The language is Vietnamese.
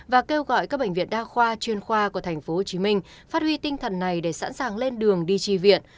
và kêu gọi các bệnh viện đa khoa chuyên khoa của tp hcm phát huy tinh thần này để sẵn sàng lên đường đi tri viện